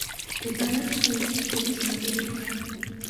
მდებარეობს სუეცის ყურის ნაპირებთან.